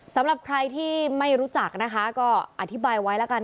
สำหรับใครที่ไม่รู้จักนะคะก็อธิบายไว้แล้วกัน